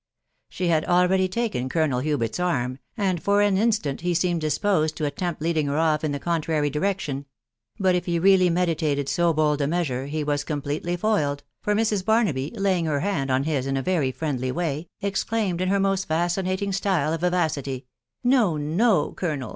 She had already taken Colonel Hubert's arm, and for an instant he seemed disposed to attempt leading her off in the contrary direction ; but if he really meditated so bold a mea sure, he was completely foiled, for Mrs. Barnaby, laying her hand on his in a very friendly way, exclaimed in her most fascinating style of vivacity, —" No, no, Colonel